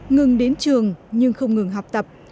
ngừng đến trường nhưng không ngừng học tập